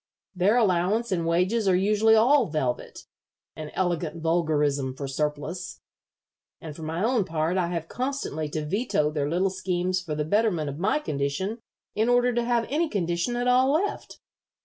Their allowance and wages are usually all velvet an elegant vulgarism for surplus and for my own part I have constantly to veto their little schemes for the betterment of my condition in order to have any condition at all left.